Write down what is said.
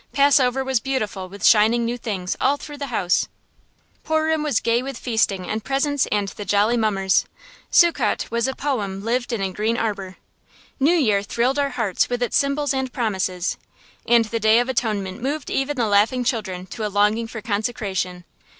Passover was beautiful with shining new things all through the house; Purim was gay with feasting and presents and the jolly mummers; Succoth was a poem lived in a green arbor; New Year thrilled our hearts with its symbols and promises; and the Day of Atonement moved even the laughing children to a longing for consecration.